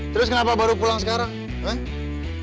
terus kenapa baru pulang sekarang kan